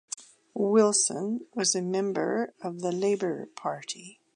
Wilson was a member of the Labour Party.